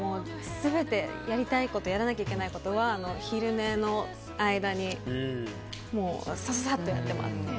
全てやりたいことやらなきゃいけないことは昼寝の間にサッサっとやってます。